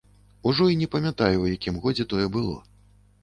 Ужо і не памятаю, у якім годзе тое было.